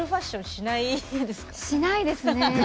しないですね。